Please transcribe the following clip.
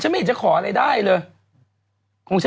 นี่ของผม